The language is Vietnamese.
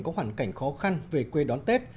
có hoàn cảnh khó khăn về quê đón tết